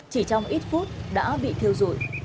chỉ trong ít phút đã bị thiêu dụi